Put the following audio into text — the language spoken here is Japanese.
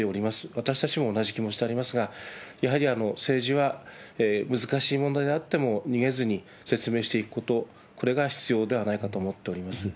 私たちも同じ気持ちでありますが、やはり政治は難しい問題であっても逃げずに説明していくこと、これが必要ではないかと思っております。